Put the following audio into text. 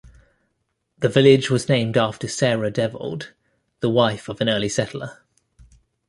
The village was named after Sarah Devold, the wife of an early settler.